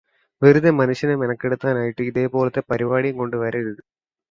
വെറുതെ മനുഷ്യനെ മെനക്കെടുത്താൻ ആയിട്ട് ഇതേപോലത്തെ പരിപാടിയും കൊണ്ട് വരരുത്.